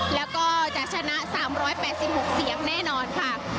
แล้วก็จะชนะ๓๘๖เสียงแน่นอนค่ะ